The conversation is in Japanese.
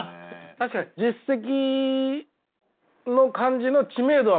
確かに実績の感じの知名度はまだないかもね。